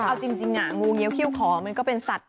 เอาจริงงูเงี้ยเขี้ยขอมันก็เป็นสัตว